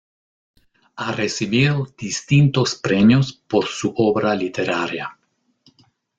Ha recibido distintos premios por su obra literaria.